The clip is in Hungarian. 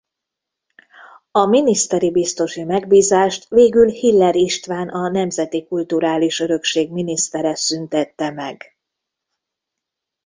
A miniszteri biztosi megbízást végül Hiller István a nemzeti kulturális örökség minisztere szüntette meg.